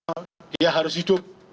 karena dia harus hidup